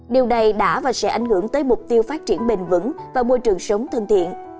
điều này đã và sẽ ảnh hưởng tới mục tiêu phát triển bền vững và môi trường sống thân thiện